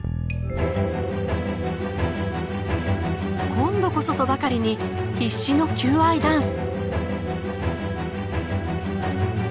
今度こそとばかりに必死の求愛ダンス。